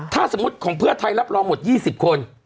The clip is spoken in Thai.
ถ้าสมมุติของเพื่อไทยรับรองหมด๒๐คน